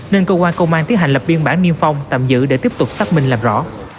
nên cơ quan công an tiến hành lập biên bản niêm phong tạm giữ để tiếp tục xác minh làm rõ